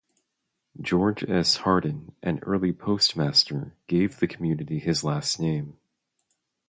George S. Harden, an early postmaster, gave the community his last name.